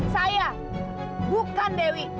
saya bukan dewi